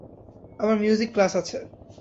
আমার music class আছে।